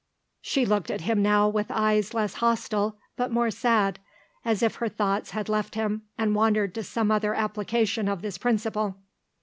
She looked at him now with eyes less hostile but more sad, as if her thoughts had left him and wandered to some other application of this principle.